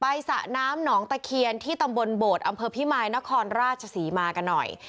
สระน้ำหนองตะเคียนที่ตำบลโบดอำเภอพิมายนครราชศรีมากันหน่อย